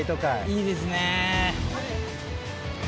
いいですね。